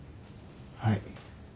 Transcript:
はい。